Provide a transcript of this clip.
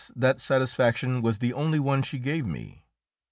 that satisfaction was the only one she gave me.